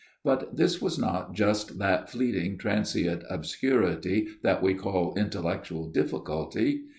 But this was not just that fleeting tran sient obscurity that we call intellectual difficulty.